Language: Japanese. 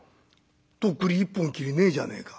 「とっくり一本きりねえじゃねえか」。